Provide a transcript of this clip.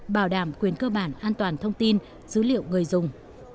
bảo đảm quyền cơ bản an toàn thông tin dữ liệu người dùng